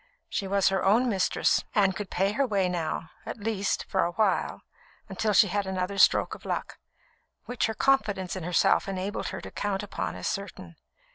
She was her own mistress, and could pay her way now at least, for awhile, until she had another stroke of luck, which her confidence in herself enabled her to count upon as certain.